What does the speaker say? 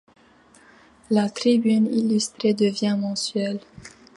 La Tribune illustrée devient mensuelle.